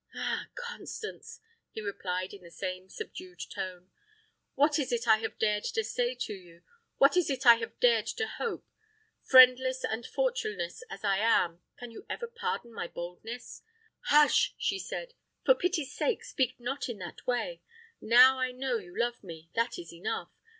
"Ah! Constance," he replied, in the same subdued tone, "what is it I have dared to say to you? what is it I have dared to hope? Friendless and fortuneless as I am, can you ever pardon my boldness?" "Hush!" she said, "for pity's sake speak not in that way. Now I know you love me, that is enough.